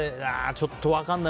ちょっと分からない